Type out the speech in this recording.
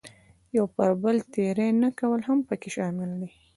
یو پر بل تېری نه کول هم پکې شامل دي.